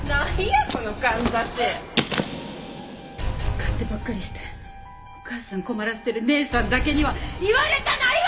勝手ばっかりしておかあさん困らせてる姉さんだけには言われたないわ！